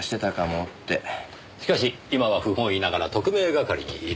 しかし今は不本意ながら特命係にいる。